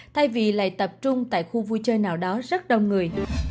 thay vì lại tập trung tại khu vui chơi nào đó rất đông người